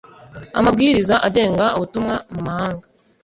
amabwiriza agenga ubutumwa mu mahanga .